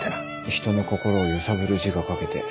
人の心を揺さぶる字が書けて。